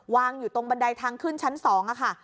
วางอยู่ตรงบันไดทางขึ้นชั้น๒ค่ะ